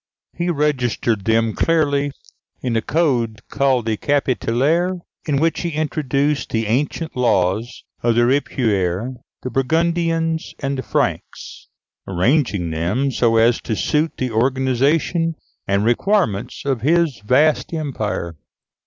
He registered them clearly in a code called the Capitulaires, into which he introduced the ancient laws of the Ripuaires, the Burgundians, and the Franks, arranging them so as to suit the organization and requirements of his vast empire.